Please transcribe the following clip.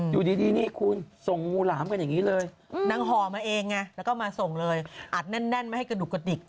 อยู่ดีนี่คุณส่งงูหลามกันอย่างนี้เลยนางห่อมาเองไงแล้วก็มาส่งเลยอัดแน่นไม่ให้กระดูกกระดิก